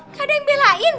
gak ada yang belain